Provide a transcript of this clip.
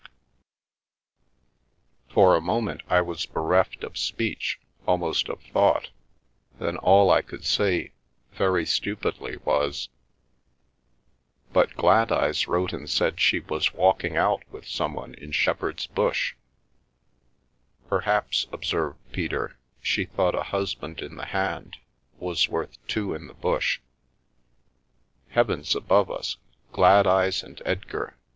313 The Milky Way For a moment I was bereft of speech, almost of thought ; then all I could say, very stupidly, was :" But Gladeyes wrote and said she was ' walking out ' with someone in Shepherd's Bush 1 "" Perhaps/' observed Peter, " she thought a husband in the hand was worth two in the Bush. Heavens above us — Gladeyes and Edgar!